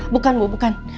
bukan bu bukan